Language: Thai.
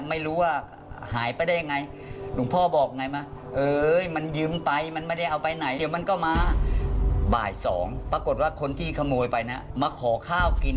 ไม่รู้ว่าหายไปได้ยังไง